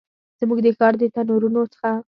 زموږ د ښار د تنورونو څخه